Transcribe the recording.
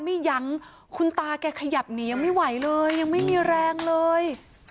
ยังคุณตาแกขยับหนียังไม่ไหวเลยยังไม่มีแรงเลย